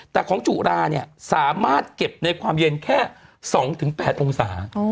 แต่ของจุราเนี่ยสามารถเก็บในความเย็นแค่๒๘องศา